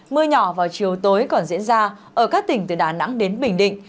mưa nhỏ vào chiều tối còn diễn ra ở các tỉnh từ đà nẵng đến bình định